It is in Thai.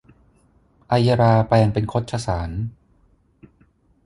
ไอยราแปลงเป็นคชสาร